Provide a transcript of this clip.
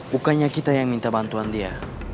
bukannya kita yang minta bantuan dia